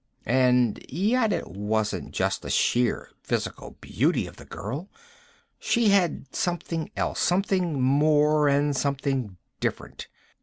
And yet, it wasn't just the sheer physical beauty of the girl. She had something else, something more and something different.